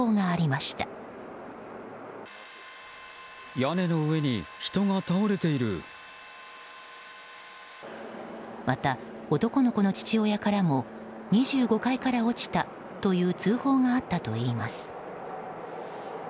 また、男の子の父親からも２５階から落ちたという通報があったといいます。